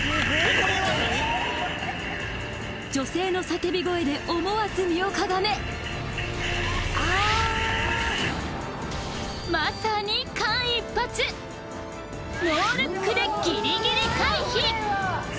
女性の叫び声で思わず身をかがめまさに間一髪ノールックでギリギリ回避！